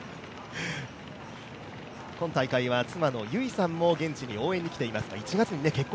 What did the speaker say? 今大会は妻の由依さんも現地に応援に来ていました。